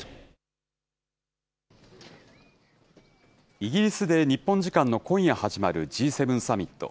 イギリスで日本時間の今夜始まるＧ７サミット。